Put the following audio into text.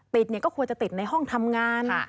ก็ควรจะติดในห้องทำงาน